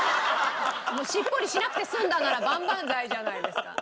しっぽりしなくて済んだなら万々歳じゃないですか。